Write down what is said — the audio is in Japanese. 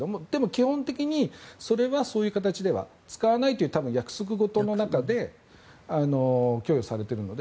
基本的にそれはそういう形では使わないと多分、約束事の中で供与されているので。